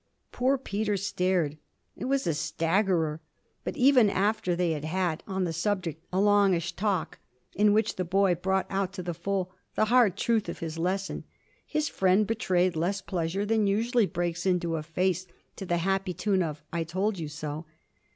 Poor Peter stared it was a staggerer; but even after they had had, on the subject, a longish talk in which the boy brought out to the full the hard truth of his lesson, his friend betrayed less pleasure than usually breaks into a face to the happy tune of 'I told you so!'